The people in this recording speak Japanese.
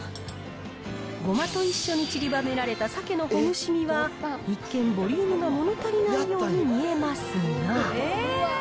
ごまと一緒にちりばめられたサケのほぐし身は一見、ボリュームがもの足りないように見えますが。